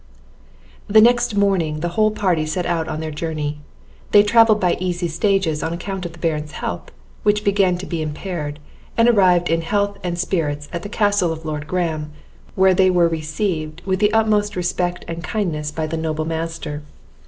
The next morning the whole party set out on their journey; they travelled by easy stages on account of the Baron's health, which began to be impaired, and arrived in health and spirits at the castle of Lord Graham, where they were received with the utmost respect and kindness by the noble master.